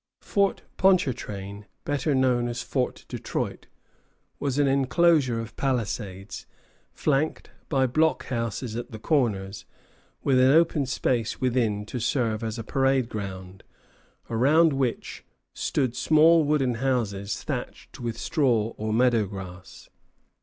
Fort Ponchartrain, better known as Fort Detroit, was an enclosure of palisades, flanked by blockhouses at the corners, with an open space within to serve as a parade ground, around which stood small wooden houses thatched with straw or meadow grass.